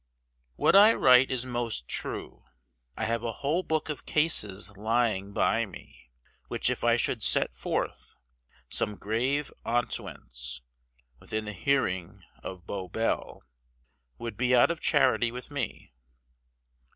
What I write is most true..... I have a whole booke of cases lying by me, which if I should sette foorth, some grave auntients (within the hearing of Bow Bell) would be out of charity with me.